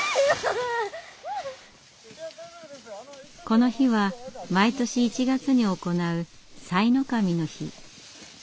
この日は毎年１月に行う賽の神の日。